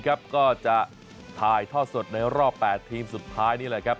ก็จะถ่ายทอดสดในรอบ๘ทีมสุดท้ายนี่แหละครับ